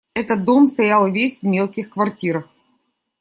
Этот дом стоял весь в мелких квартирах.